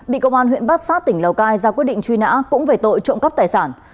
bị công an huyện bát sát tỉnh lào cai ra quyết định truy nã cũng về tội trộm cắp tài sản